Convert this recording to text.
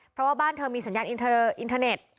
เพราะบ้านเธอมีสัญญาณอินเทอร์เน็ท